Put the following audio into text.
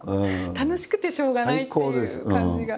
楽しくてしょうがないっていう感じが。